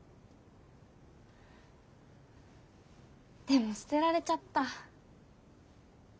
でも捨てられちゃった。